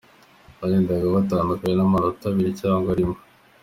Bagendaga batandukanwa n’amanota abiri cyangwa rimwe.